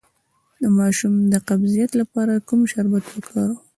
د ماشوم د قبضیت لپاره کوم شربت وکاروم؟